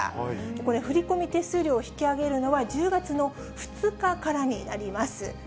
これ、振り込み手数料を引き上げるのは、１０月の２日からになります。